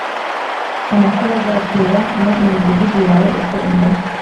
Amakuba azatera mu imidugudu yawe uko ingana